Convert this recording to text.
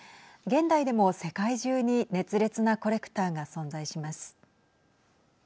現代でも世界中に熱烈なコレクターが存在します。